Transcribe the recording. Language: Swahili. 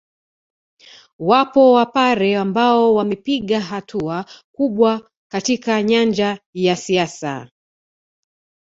Wapo wapare ambao wamepiga hatua kubwa katika nyanja ya siasa